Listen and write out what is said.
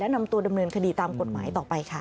นำตัวดำเนินคดีตามกฎหมายต่อไปค่ะ